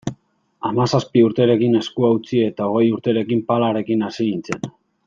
Hamazazpi urterekin eskua utzi eta hogei urterekin palarekin hasi nintzen.